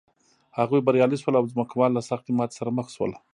هغوی بریالي شول او ځمکوال له سختې ماتې سره مخ شول.